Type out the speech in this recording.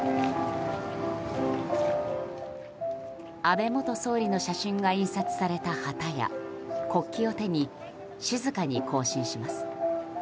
安倍元総理の写真が印刷された旗や、国旗を手に静かに行進します。